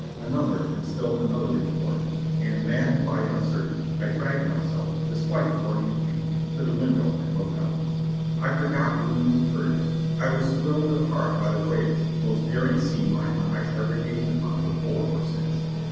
Another and still another report, and maddened by uncer tainty I dragged myself, despite the burning pain, to the wnndow and looked out. I forgot wounds, hurts — I was thrilled to the heart by the bravest, most daring scene my eyes ever gazed upon before or since.